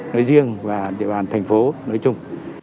nơi riêng và địa bàn tp hcm